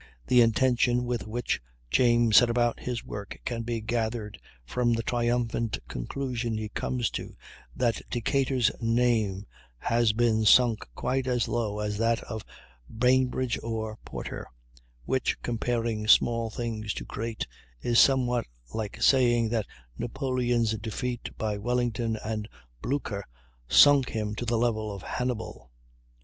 The intention with which James sets about his work can be gathered from the triumphant conclusion he comes to, that Decatur's name has been "sunk quite as low as that of Bainbridge or Porter," which, comparing small things to great, is somewhat like saying that Napoleon's defeat by Wellington and Blucher "sunk" him to the level of Hannibal.